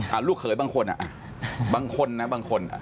อ่าลูกเขยบางคนบางคนนะ